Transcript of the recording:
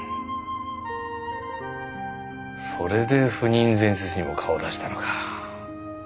それで赴任前日にも顔を出したのか。